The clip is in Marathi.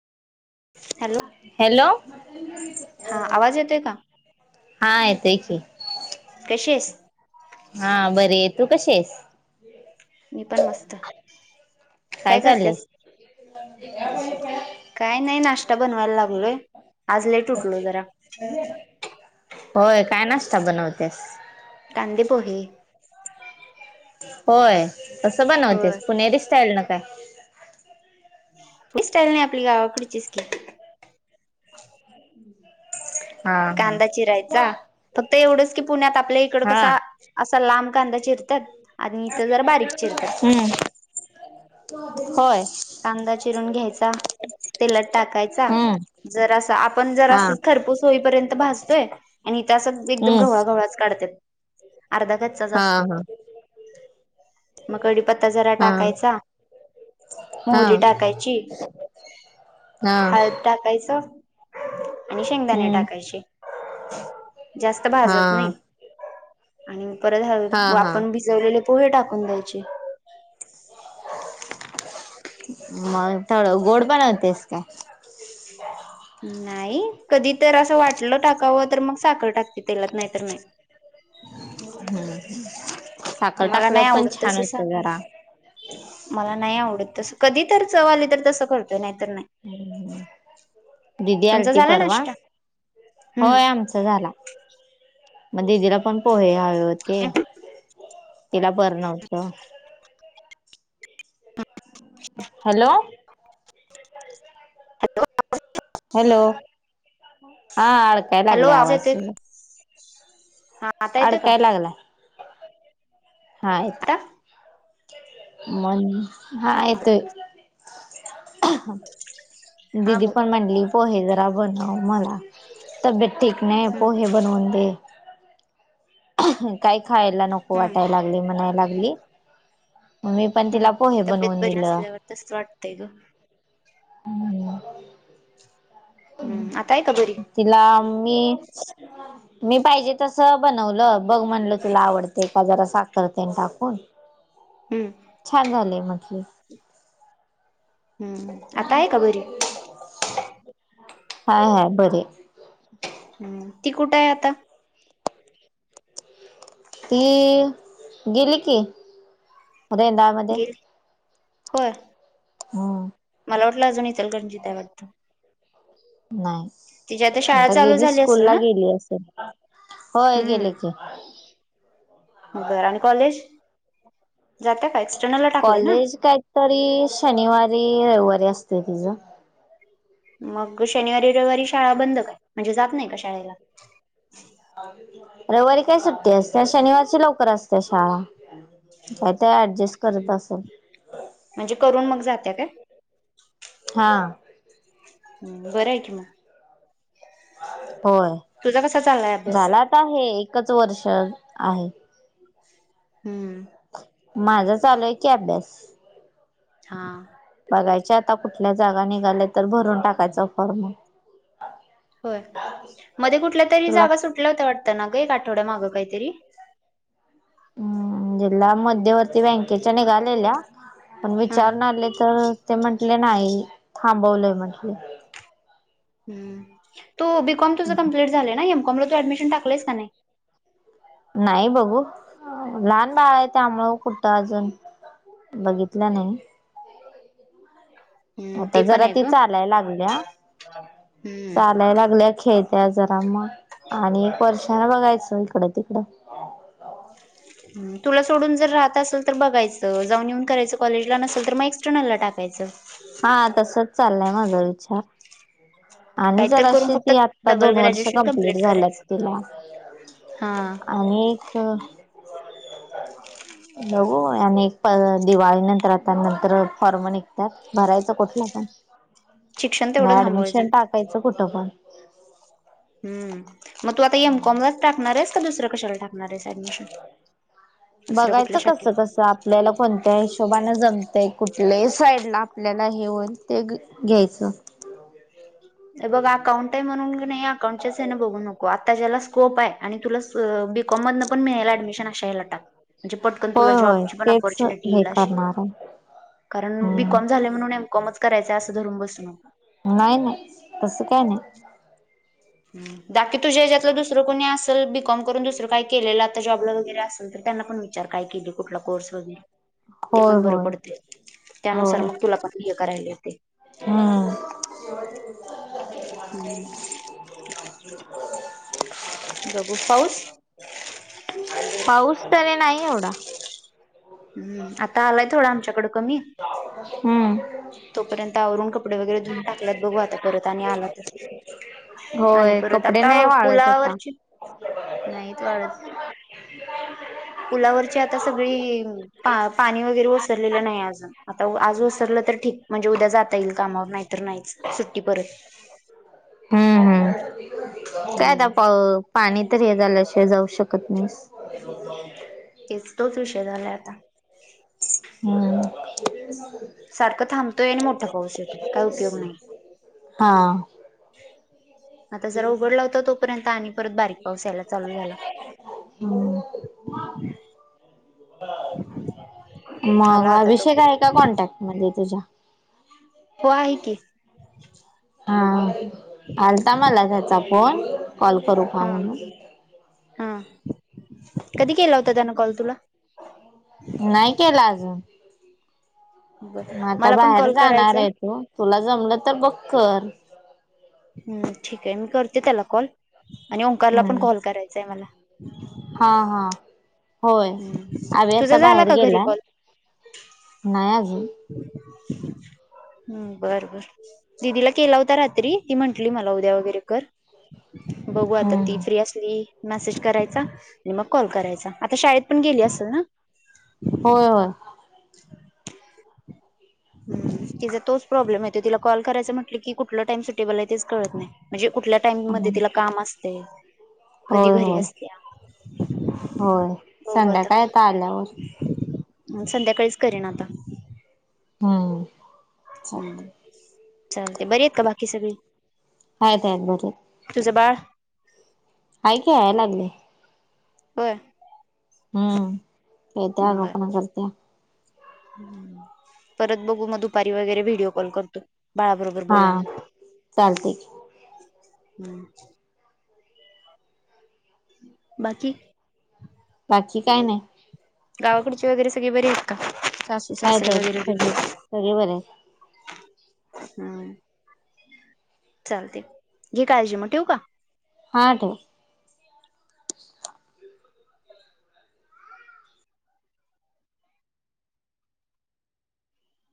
हॅलो हॅलो हा आवाज येतो का हा येतय की.. शिस... हा बर आहे तू कशी आहेस.. मी पण मस्त काय करतेस? ते का.. काय नाही नाश्ता बनवायला लागलोय आज लेट उठलो जरा... होय काय नाष्टा बनवतियास? कांदेपोहे... होय तसं होय बनवतेस पुणेरी स्टाईल ना काय? क स्टाईल नाही आपली गावा कडचीज की.. हा कांदा चिरायचा फक्त एवढंच की पुण्यात.. आपल्या इकड हा हा कसा असा लांब कांदा इथ जरा बारीक चीरतात.. हम्म होय.. कांदा चिरून घ्यायचा तेलात टाकायचा हम्म जर असं आपण जर हा असं खरपूस होईपर्यंत भाजतोय आणि इथं असं एकदम हम्म गवळा घवळाच काढत अर्धा काचचा जा असत हा मग कडीपत्ता जरा हा हा टाकायचा हा मोहरी टाकायची हा हळद टाकायचं आणि शेंगदाणे हम्म टाकायचे जास्त हा भाजत नाही आणि परत ह हा हा आपण भिजवलेले पोहे टाकून द्यायचे मग थोडं गोड पणवतेस का नाही कधी तर असं वाट टलं टाकावं तर मग साखर टाकते तेलात नाही तर नाही साखर मला टाकलंवर नाही पण आवडत छान तसं होत साखर जरा. मला नाही आवडत तस कधी तर चव आले तर तसं करत. दुदी तुमचा आलती झाला पररवा. नाश्ता होय हम्म आमच झाला. मग दिदीला पण पोहे हवे होते तिला बर नव्हत. हॅलो. हॅलो हा अडकाय हॅलो लागले आवाज. येतोय हा आता येतं का. अडकाय लागलाय हा यच. आता मन हा येतो. हा दिदी बोल पण म्हटली पोहे जरा बनव मला तब्येत. टिक नाही हम्म पोहे बनवून दे. काही खायला नको हम्म वाटायला लागली म्हणाय लागली. मी पण हम्म तिला पोहे तब्येत बनवून बरी दिलं असल्यावर तस वाटतंय ग. हम् हम्म आताय का घरी. तिला मी मी पाहिजे तस बनवलं बघ म्हणलं तुला आवडते का जरा साखते टाकून. हम्म छान झालंय म्हटलंस. हम्म आता आहे काबरी. हाय हाय बर. हम् ती कुठे आहे आता. ती गेली की रेंदाळ मध्ये. गेली होय. हम्, मला वाटला अजून इचलकरंजीत आहे वाटतं. तिची नाहीय. शाळा आता चालू गेली झाली स्कूल असेल ला ना गेली असेल होय गेले हम्म की. बरं आणि कॉलेज जाता कायच. कॉलेज काही तरी शनिवारी रविवारी असते तिचं. मग शनिवारी रविवारी शाळा बंद काय म्हणजे जात नाही का शाळेला. रविवारी काय सुट्टी असते शनिवारची लवकर असते शाळा. काय ते अऍडजस्ट हम्म. करत असेल. म्हणजे करून मग जात्या काय हा. हम् बरं आहे की मग. होय तुझा कसा चाललाय अभ्यास झाला तर आहे एकच वर्ष आहे. हम्म. माझा चालू आहे की अभ्यास. हा. बघायच्या आता कुठल्या जागा निघाल्या तर भरून टाकायच फॉर्म. होय मध्ये कुठल्या तरी तुला जागा सुटल्या होत वाटत. त्याना का एक आठवड मागं काहीतरी. हम्म जिल्हा मध्यवर्ती बँकेच्या निघालेल्या. पण हा विचारून आले तर ते म्हंटले नाही, थांबवलंय म्हटले. ह तू बीकॉम तुझं कंप्लीट झालं ना एमकॉमला. ऍडमिशन टाकलेस का नाही. नाही बघू लहान बाळ आहे, त्यामुळं कुठं अजून बघितलं नाही. हम्म आता ते पण जरा आहे ती ग चालाय लागल्या हम्म चालाय लागल्या खेळ त्या जरा मग आणि एक वर्षान बघायचं इकडं तिकडं. तुला सोडून जर राहत असेल, तर बघायचं जाऊन येऊन करायचं. कॉलेजला नसेल तर मग एक्सटर्नलला टाक. हा तसच चाललंय माझा विचार. आणि काहीतर जरा करून अशी फक्त ती आता डबल दोन वर्ष ग्रॅज्युएशन कंप्लीट झाल्यात करायचं तिला. हा आणि एक. [unintelligible] बघू आणि दिवाळी नंतर आता नंतर फॉर्म निघतात. भरायचं कुठलं पण शिक्षण तेवढं नाही थांबवायचं ऍडमिशन टाकायचं कुठं पण. हम् मग तू आता एमकॉम लाच टाकणार आहेस. का दुसरं कशाला टाकणार आहेस ऍडमिशन. दुसऱ्या बघायचं कुठल्या कस शाखेत कस आपल्याला कोणत्या हिशोबाने जमतंय कुठ. आपले साईड ला आपल्याला हे होईल ते घ्यायचं. बघ. अकाउंट आहे म्हणून नाही अकाउंटच्याच हेन बघू नको आता ज्याला स्कोप आहे आणि तुला बी कॉम मधन पण मिळेल ऍडमिशनअश्या हेला टाक. म्हणजे पटकन तुला होय होय जॉबची पण तेच अपॉर्च्युनिटी हे येईल अशी. करणार आहे कारण बीकॉम हम्म झाले म्हणून एम कॉमच करायचंय असं धरून बसू नको. नाही नाही तसं काय नाही. बाकी तुझ्या हेच्यातलं दुसरं कोणी असेल बीकॉम करून दुसरं काही केलेलं आता जॉबला वगैरे असेल. तर त्यांना पण विचार काय केले कुठला कोर्स वगैरे. ते होय पण बरं होय पडते, त्यानुसार होय मग तुला पण हे करायला होते. हम्म. हम्म. बघू पाऊस. पाऊस तरी नाही एवढा. हम् आता आलाय थोडं आमच्याकड. हम्म. तोपर्यंत अरुण कपडे, वगैरे धुऊन टाकल्यात बघू आता परत आणि आला तर आणि होय कपडे नाही वाळत, ह. नाही च वाळत, पुलावरची आता सगळी पाणी वगैरे ओसरलेलं नाही अजून आता आज ओसरलं तर ठीक. म्हणजे उद्या जाता येईल कामावर नाहीतर नाहीच सुट्टी परत. हम्म हम्म काय आता हम्म पाणी तर हे झाल्याशिवाय जाऊ शकत नाही. तेच तोच विषय झालाय आता. हम, सारखं थांबतोय आणि मोठा पाऊस येतोय काय उपयोग नाही. हा. आता जरा उघडला होता तोपर्यंत आणि परत बारीक पाऊस यायला चालू झाला. हम्. [inaudible] आला मग आता अभिषेक आहे तोपर्यंत का कॉन्टॅक्ट मध्ये तुझ्या. हो आहे की. हा आलता मला त्याचा फोन, कॉल करू का हा म्हणून. हा कधी केला होता त्यान कॉल तुला. नाही केला अजून बर मग आता मला पण बाहेर कॉल जाणार करायचाय आहे, तू तुला जमलं तर बघकर. हम्म ठीक आहे, मी करते त्याला कॉल आणि ओंकारला पण हम्म कॉल करायचाय मला. हा, हा होय हम्म आवि आता तुझा झाला बाहेर का घरी गेला. कॉल नाही अजून, [unintelligible] हम् बर बर दिदीला केला होता, रात्री ती म्हंटली मला उद्या वगैरे कर. बघू आता ती हम्म फ्री असली मेसेज करायचा, आणि मग कॉल करायचा आता शाळेत. पण गेली असेल ना. होय होय. तिचा तोच प्रॉब्लेम आहे, तिला कॉल करायचं म्हटलं की कुठला टाइम सुटेबल आहे, तेच कळत नाही म्हणजे. कुठल्या टाइम मध्ये तिला होय काम असते, कधी घरी होय असत्या. होय संध्याकाळ आता आल्यावर, संध्याकाळीच करेन आता, हम्म. हम्म चाल ते बर आहेत का बाकी सगळी? आहेत आहेत बरे. तुझं बाळ ऐकय याय लागले? होय. हम्म करतो बर अगावपणा करतो परत बघू मग दुपारी वगैरे व्हिडिओ कॉल करतो बाळाबरोबर हा बोलायला चालते की हम्म बाकी? बाकी काय नाही. गावाकडची वगैरे सगळी बरी आहेत का? सासू आहेत सासर आहेत वगैरे ब? सगळे सगळे बरे आहेत हम्म चालते घे का काळजी मग ठेव का? हा ठेव.